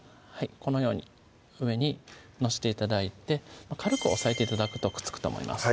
このように上に載して頂いて軽く押さえて頂くとくっつくと思います